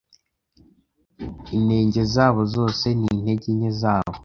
inenge zabo zose n’intege nke zabo